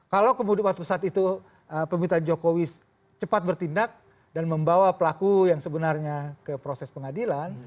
kalau kemudian waktu saat itu pemerintahan jokowi cepat bertindak dan membawa pelaku yang sebenarnya ke proses pengadilan